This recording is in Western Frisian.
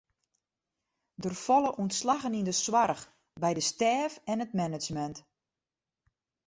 Der falle ûntslaggen yn de soarch, by de stêf en it management.